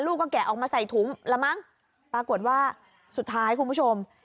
ลูกก็แกะออกมาใส่ถุงละมั้งปรากฏว่าสุดท้ายคุณผู้ชม